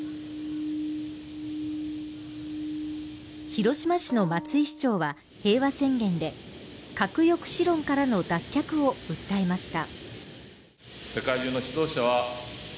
広島市の松井市長は平和宣言で、核抑止論からの脱却を訴えました。